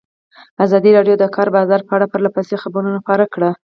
ازادي راډیو د د کار بازار په اړه پرله پسې خبرونه خپاره کړي.